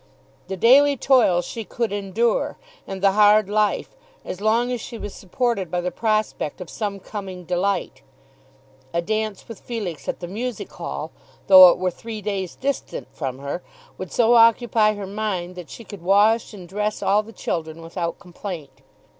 The daily toil she could endure, and the hard life, as long as she was supported by the prospect of some coming delight. A dance with Felix at the Music Hall, though it were three days distant from her, would so occupy her mind that she could wash and dress all the children without complaint.